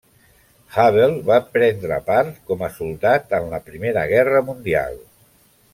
Hubble va prendre part com a soldat en la Primera Guerra mundial.